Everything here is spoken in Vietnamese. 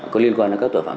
có liên quan đến các tội phạm